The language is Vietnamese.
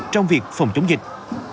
trong việc phòng chống dịch